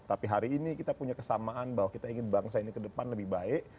tapi hari ini kita punya kesamaan bahwa kita ingin bangsa ini ke depan lebih baik